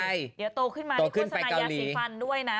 เดี๋ยวโตขึ้นมาตีโฟสนายะสิงฟันด้วยนะ